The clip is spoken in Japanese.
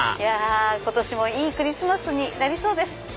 今年もいいクリスマスになりそうです。